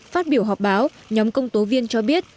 phát biểu họp báo nhóm công tố viên cho biết